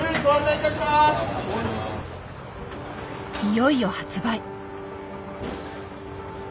いよいよ発売。